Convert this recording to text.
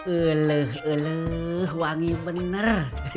eleh eleh wangi bener